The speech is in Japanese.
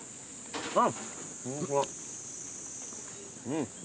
うん。